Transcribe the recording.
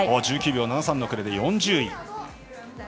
１９秒７３の遅れで４０位。